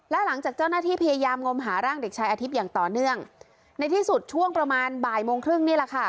และหลังจากเจ้าหน้าที่พยายามงมหาร่างเด็กชายอาทิตย์อย่างต่อเนื่องในที่สุดช่วงประมาณบ่ายโมงครึ่งนี่แหละค่ะ